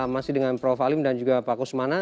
masih dengan prof alim dan juga pak kusmana